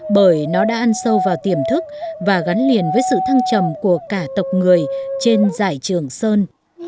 bởi nó đã ăn sâu vào tiềm thức và gắn liền với sự thăng trầm của cả tộc người trên giải trường sơn